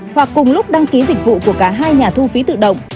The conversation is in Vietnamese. hoặc cùng lúc đăng ký dịch vụ của cả hai nhà thu phí tự động